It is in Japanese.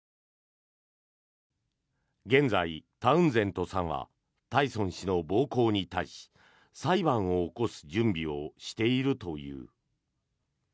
現在、タウンゼントさんはタイソン氏の暴行に対し裁判を起こす準備をしているという。